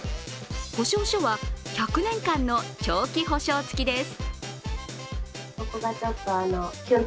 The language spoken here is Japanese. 保証書は１００年間の長期保証付きです。